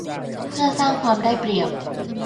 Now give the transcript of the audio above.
เพื่อสร้างความได้เปรียบ